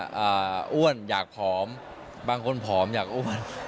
อ้วนอยากผอมบางคนผอมอยากอ้วน